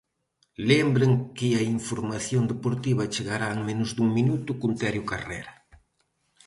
Lembren que a información deportiva chegará en menos dun minuto con Terio Carrera.